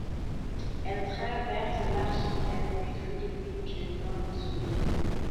Elle traverse l'archipel des Philippines du nord au sud.